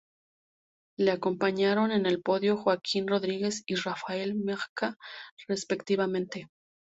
Le acompañaron en el podio Joaquim Rodríguez y Rafał Majka, respectivamente.